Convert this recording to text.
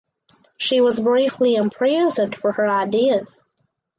She was briefly imprisoned for her ideas.